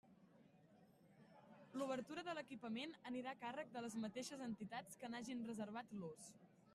L'obertura de l'equipament anirà a càrrec de les mateixes entitats que n'hagin reservat l'ús.